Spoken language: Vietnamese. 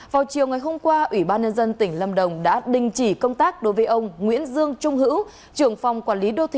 vào chiều ngày hôm qua ủy ban nhân dân tỉnh lâm đồng đã đình chỉ công tác đối với ông nguyễn dương trung hữu